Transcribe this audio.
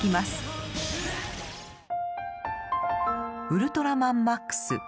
「ウルトラマンマックス」。